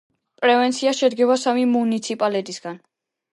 პროვინცია შედგება სამი მუნიციპალიტეტისაგან.